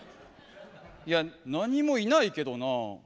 いや、何もいないけど。